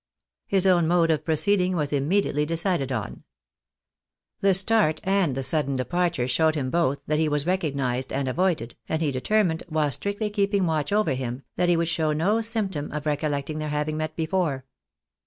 His own mode of proceeding was immediately de cided on. The start and the sudden departure showed him both that he was recognised and avoided, and he determined, while strictly keeping watch over him, that he would show no symptom of recollecting their having met before.